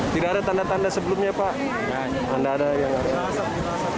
tidak ada tanda tanda sebelumnya pak anda ada yang